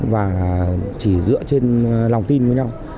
và chỉ dựa trên lòng tin với nhau